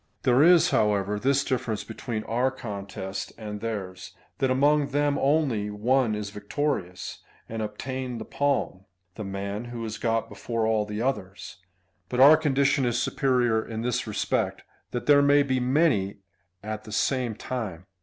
There is, however, this difference between our contest and theirs, that among them only one is victorious, and obtains the palm — the man who has got before all the others f but our condition is superior in this respect, that there may be many at the same time.